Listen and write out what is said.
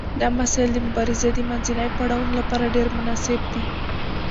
دا مسایل د مبارزې د منځنیو پړاوونو لپاره ډیر مناسب دي.